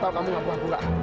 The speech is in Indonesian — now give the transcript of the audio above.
aku tahu kamu ngaku ngaku